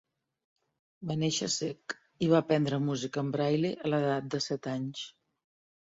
Va néixer sec i va aprendre música en Braille a l'edat de set anys.